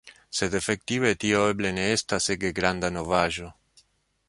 Sed efektive tio eble ne estas ege granda novaĵo.